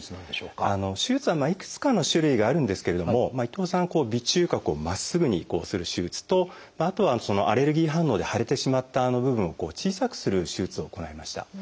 手術はいくつかの種類があるんですけれども伊藤さん鼻中隔をまっすぐにする手術とあとはアレルギー反応で腫れてしまった部分を小さくする手術を行いました。